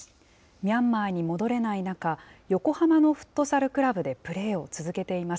ミャンマーに戻れない中、横浜のフットサルクラブでプレーを続けています。